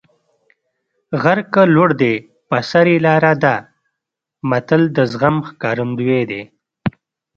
غر که لوړ دی په سر یې لاره ده متل د زغم ښکارندوی دی